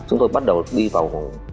chúng tôi bắt đầu đi vào